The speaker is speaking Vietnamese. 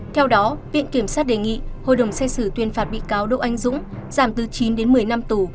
theo đó viện kiểm sát đề nghị hội đồng xét xử tuyên phạt bị cáo đỗ anh dũng giảm từ chín đến một mươi năm tù